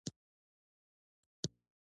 هغه پوښتنه وکړه چې جرمني مرستې ته حاضر دی کنه.